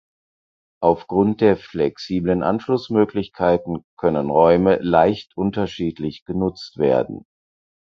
Aufgrund der flexiblen Anschlussmöglichkeiten können Räume leicht unterschiedlich genutzt werden.